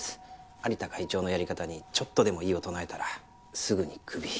蟻田会長のやり方にちょっとでも異を唱えたらすぐにクビ。